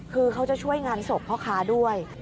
คือเขาจะช่วยงานศพพ่อค้าด้วย